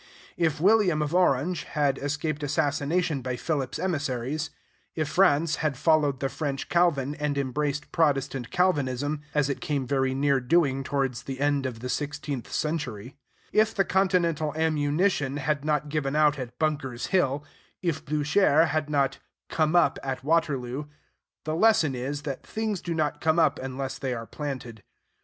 If William of Orange had escaped assassination by Philip's emissaries; if France had followed the French Calvin, and embraced Protestant Calvinism, as it came very near doing towards the end of the sixteenth century; if the Continental ammunition had not given out at Bunker's Hill; if Blucher had not "come up" at Waterloo, the lesson is, that things do not come up unless they are planted.